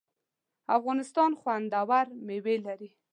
افغانستان خوندوری میوی لري